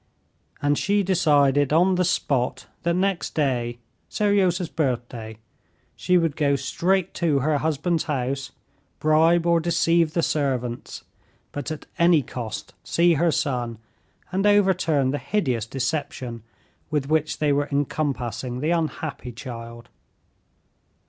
And she decided on the spot that next day, Seryozha's birthday, she would go straight to her husband's house, bribe or deceive the servants, but at any cost see her son and overturn the hideous deception with which they were encompassing the unhappy child.